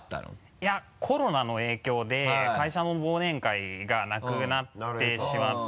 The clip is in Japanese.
いやコロナの影響で会社も忘年会がなくなってしまって。